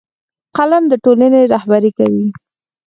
قلم د ټولنې رهبري کوي